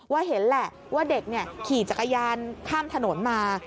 เห็นแหละว่าเด็กขี่จักรยานข้ามถนนมา